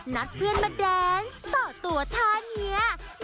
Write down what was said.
นัดเพื่อนมาแดนส์ต่อตัวท่านี้